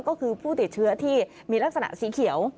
ก็คือผู้ติดเชื้อที่มีลักษณะสีเขียว